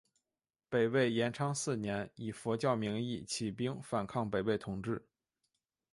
北魏延昌四年以佛教名义起兵反抗北魏统治。